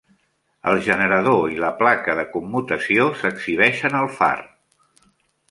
El generador i la placa de commutació s'exhibeixen al far.